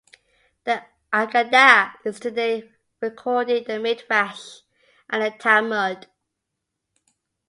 The aggadah is today recorded in the Midrash and the Talmud.